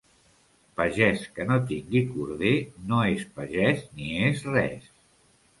Pagès que no tingui corder no és pagès ni és res.